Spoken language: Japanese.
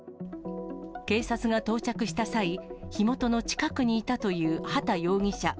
警察が到着した際、火元の近くにいたという畑容疑者。